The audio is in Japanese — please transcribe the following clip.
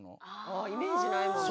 イメージないもんね。